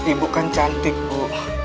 ibu kan cantik bu